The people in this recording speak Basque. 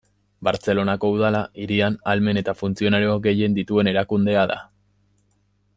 Bartzelonako Udala hirian ahalmen eta funtzionario gehien dituen erakundea da.